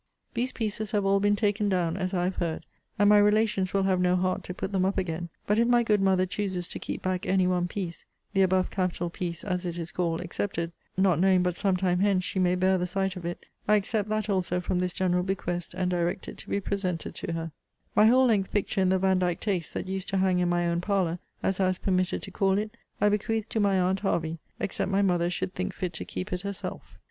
These pieces have all been taken down, as I have heard;* and my relations will have no heart to put them up again: but if my good mother chooses to keep back any one piece, (the above capital piece, as it is called, excepted,) not knowing but some time hence she may bear the sight of it; I except that also from this general bequest; and direct it to be presented to her. * See Vol. III. Letter LV. My whole length picture in the Vandyke taste,* that used to hang in my own parlour, as I was permitted to call it, I bequeath to my aunt Hervey, except my mother should think fit to keep it herself.